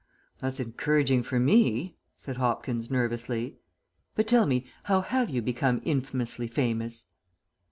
"That's encouraging for me," said Hopkins, nervously. "But tell me how have you become infamously famous?"